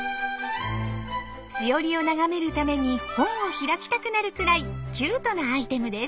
しおりを眺めるために本を開きたくなるくらいキュートなアイテムです。